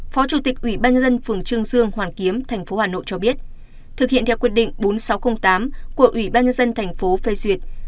phó chủ tịch ủy ban nhân dân phường trương dương hoàn kiếm tp hà nội cho biết thực hiện theo quyết định bốn nghìn sáu trăm linh tám của ủy ban nhân dân tp phê duyệt